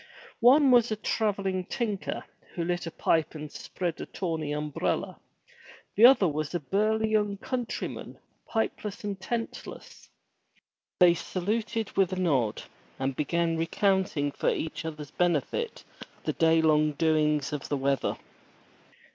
One was a travel ling tinker, who lit a pipe and spread a tawny umbrella. The other was a burly young countryman, pipeless and tentless. They saluted with a nod, and began recounting for each other's benefit the day long doings of the weather.